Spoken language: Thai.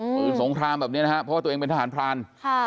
ปืนสงครามแบบนี้นะฮะเพราะว่าตัวเองเป็นทหารพราน